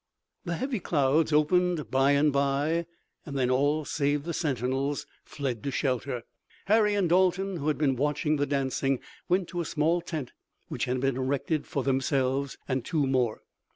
The heavy clouds opened bye and bye, and then all save the sentinels fled to shelter. Harry and Dalton, who had been watching the dancing, went to a small tent which had been erected for themselves and two more.